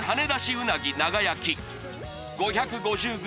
うなぎ長焼き５５０ｇ